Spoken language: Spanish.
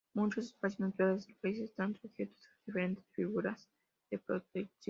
Muchos espacios naturales del país están sujetos a diferentes figuras de protección.